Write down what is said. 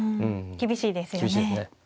厳しいですね。